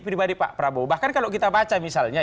pribadi pak prabowo bahkan kalau kita baca misalnya